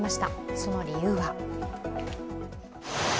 その理由は。